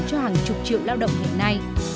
cho hàng chục triệu lao động hiện nay